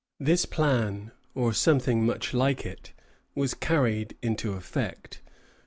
This plan, or something much like it, was carried into effect.